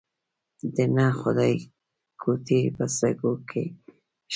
د ننه خدایګوټې په سکو کې شته